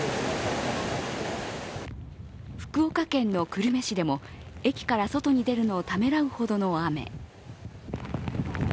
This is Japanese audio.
福岡県の久留米市でも駅から外に出るのをためらうほどの雨。